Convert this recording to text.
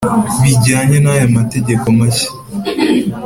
bijyanye n’aya mategeko mashya,